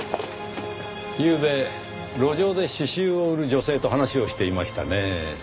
ゆうべ路上で詩集を売る女性と話をしていましたねぇ。